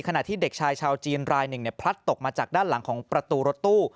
ขณะที่เด็กชายชาวจีนรายหนึ่งพลัดตกมาจากด้านหลังของประตูรถตู้